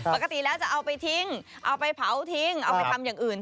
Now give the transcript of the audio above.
ปกติแล้วจะเอาไปทิ้งเอาไปเผาทิ้งเอาไปทำอย่างอื่น